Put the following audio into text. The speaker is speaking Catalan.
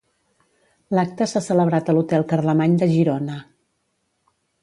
L'acte s'ha celebrat a l'hotel Carlemany de Girona.